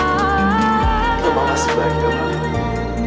kamu masih bahagia kan